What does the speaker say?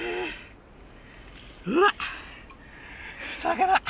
うわっ魚！